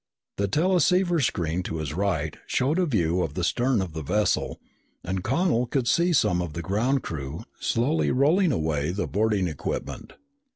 The teleceiver screen to his right showed a view of the stern of the vessel and Connel could see some of the ground crew slowly rolling away the boarding equipment.